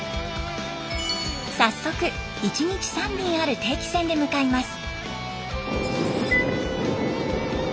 早速１日３便ある定期船で向かいます。